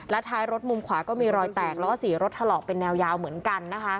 ท้ายรถมุมขวาก็มีรอยแตกแล้วก็สีรถถลอกเป็นแนวยาวเหมือนกันนะคะ